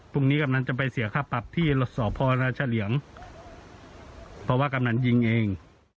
พรุ่งนี้กำนันจะไปเสียค่าปรับที่หลัดสอบพรณาชาเหลียมเพราะว่ากำนันยิงเอง